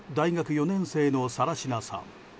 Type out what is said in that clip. ４年生の更科さん。